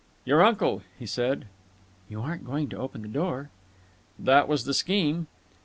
"Your uncle," he said. "You aren't going to open the door?" "That was the scheme."